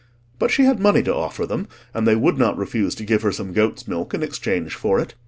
But she had money to offer them, and they would not refuse to give her some goat's milk in exchange for it.